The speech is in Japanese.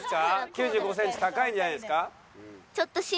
９５センチ高いんじゃないですか？